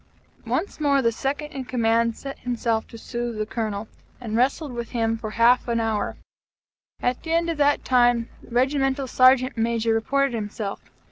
Once more, the Second in Command set himself to sooth the Colonel, and wrestled with him for half an hour. At the end of that time, the Regimental Sergeant Major reported himself.